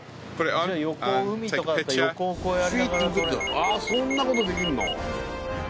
あっそんなことできるの。